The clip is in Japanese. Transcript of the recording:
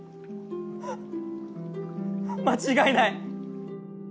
間違いない！